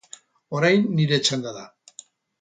Orain nire txanda da.